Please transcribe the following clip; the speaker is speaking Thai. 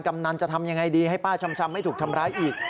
กำนันจะทำยังไงดีให้ป้าชำไม่ถูกทำร้ายอีก